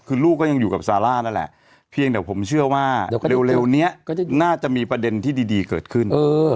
คือลูกก็ยังอยู่กับซาร่านั่นแหละเพียงแต่ผมเชื่อว่าเร็วนี้น่าจะมีประเด็นที่ดีเกิดขึ้น